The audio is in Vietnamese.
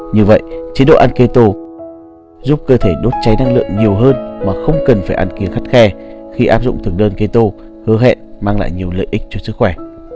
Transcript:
như vậy chế độ ăn keto giúp cơ thể đốt cháy năng lượng nhiều hơn mà không cần phải ăn kiếng khắt khe khi áp dụng thường đơn keto hứa hẹn mang lại nhiều lợi ích cho sức khỏe